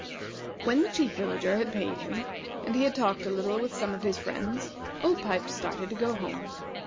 When the Chief Villager had paid him, and he had talked a little with some of his friends, Old Pipes started to go home.